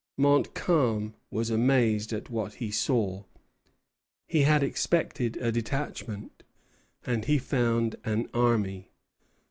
Montcalm was amazed at what he saw. He had expected a detachment, and he found an army.